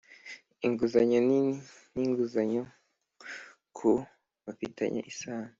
inguzanyo nini n inguzanyo ku bafitanye isano